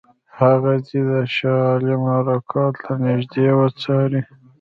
هغه دې د شاه عالم حرکات له نیژدې وڅاري.